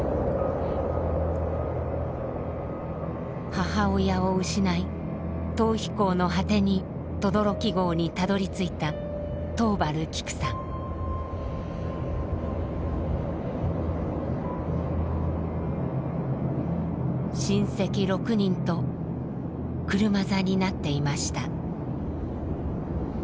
母親を失い逃避行の果てに轟壕にたどりついた親戚６人と車座になっていました。